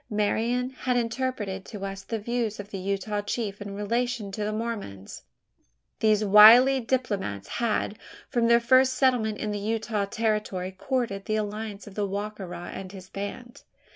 Marian had interpreted to us the views of the Utah chief in relation to the Mormons. These wily diplomatists had, from their first settlement in the Utah territory, courted the alliance of Wa ka ra and his band.